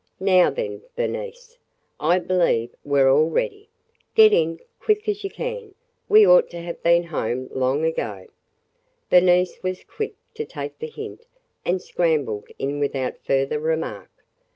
"Now, then, Bernice, I believe we 're all ready. Get in, quick as you can! We ought to have been home long ago." Bernice was quick to take the hint and scrambled in without further remark.